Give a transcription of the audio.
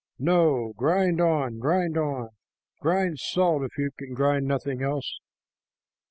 No. Grind on, grind on. Grind salt, if you can grind nothing else."